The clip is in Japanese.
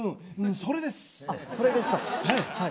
それです。